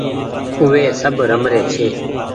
او وي سب رمري ڇي